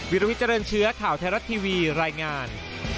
วิลวิเจริญเชื้อข่าวไทยรัฐทีวีรายงาน